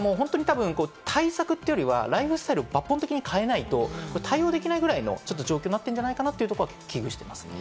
対策というよりは抜本的に変えないと耐えられないぐらいの状況になってるんじゃないかなと危惧してます。